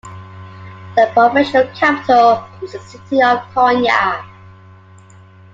The provincial capital is the city of Konya.